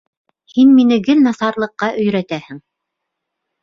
Һин мине гел насарлыҡҡа өйрәтәһең!